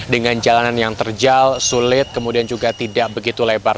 dengan jalanan yang terjal sulit kemudian juga tidak begitu lebar